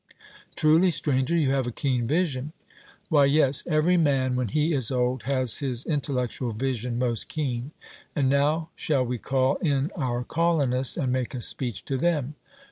'Truly, Stranger, you have a keen vision.' Why, yes; every man when he is old has his intellectual vision most keen. And now shall we call in our colonists and make a speech to them?